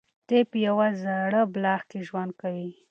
دی په یوه زاړه بلاک کې ژوند کوي.